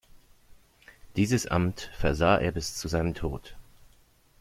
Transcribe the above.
Dieses Amt versah er bis zu seinem Tod.